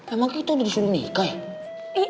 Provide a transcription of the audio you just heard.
emang itu udah disuruh nikah ya